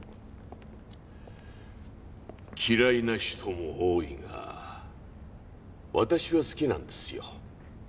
嫌いな人も多いが私は好きなんですよ。